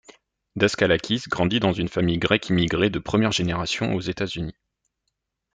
Daskalakis grandit dans une famille grecque immigrée de première génération aux États-Unis.